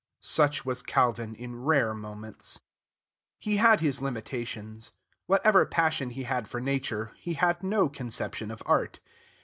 Such was Calvin in rare moments. He had his limitations. Whatever passion he had for nature, he had no conception of art.